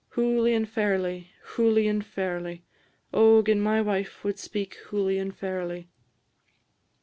Hooly and fairly, hooly and fairly; O gin my wife wad speak hooly and fairly!